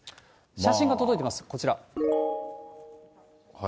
写真が届いてます、こちら。